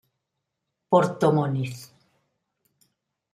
Porto Moniz